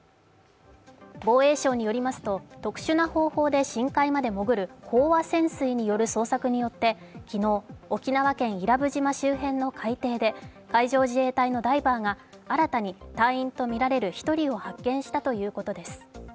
防衛省によりますと、特殊な方法で深海まで潜る飽和潜水による捜索によって昨日、沖縄県伊良部島周辺の海底で海上自衛隊のダイバーが新たに隊員とみられる１人を発見したということです。